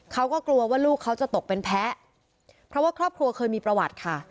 เขาก็กลัวว่าลูกเขาจะตกเป็นแพ้เพราะว่าครอบครัวเคยมีประวัติค่ะ